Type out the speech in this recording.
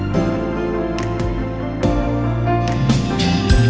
gak usah senyum senyum